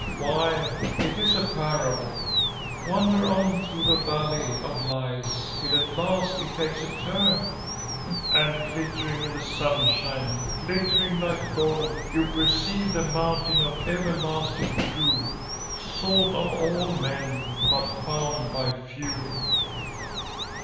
Why, it is a parable. Wander on through the Valley of Lies till at last it takes a turn, and, glittering in the sunshine, glittering like gold, you perceive the Mountain of everlasting Truth, sought of all men but found by few.